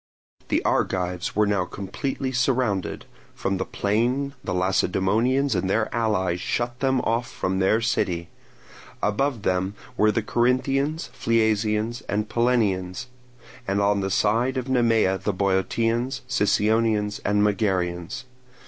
The Argives were now completely surrounded; from the plain the Lacedaemonians and their allies shut them off from their city; above them were the Corinthians, Phliasians, and Pellenians; and on the side of Nemea the Boeotians, Sicyonians, and Megarians.